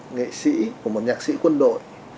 nghệ sĩ của một nhạc sĩ quân đội